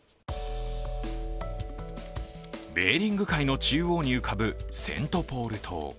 ベーリング海の中央に浮かぶセントポール島。